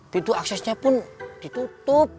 tidur aksesnya pun ditutup